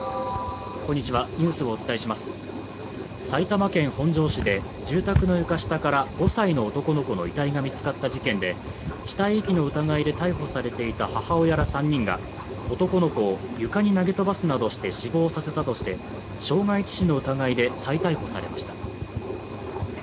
埼玉県本庄市で住宅の床下から５歳の男の子の遺体が見つかった事件で死体遺棄の疑いで逮捕されていた母親ら３人が男の子を床に投げ飛ばすなどして死亡させたとして傷害致死の疑いで再逮捕されました。